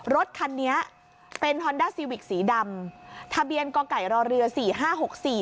รถคันนี้เป็นฮอนด้าซีวิกสีดำทะเบียนก่อไก่รอเรือสี่ห้าหกสี่